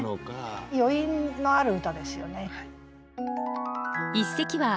余韻のある歌ですよね。